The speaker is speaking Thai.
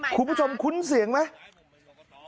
คุณผู้ชมคุ้นเสียงไหม